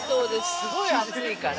すごい暑いですから。